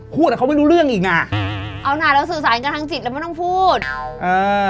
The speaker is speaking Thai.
พูดแล้วเขาไม่รู้เรื่องอีกน่ะเอาหน่าแล้วสื่อสารกับทางจิตแล้วไม่ต้องพูดเออ